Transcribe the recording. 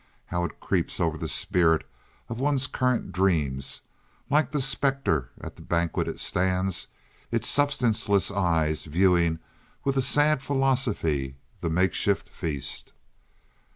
How it creeps over the spirit of one's current dreams! Like the specter at the banquet it stands, its substanceless eyes viewing with a sad philosophy the makeshift feast.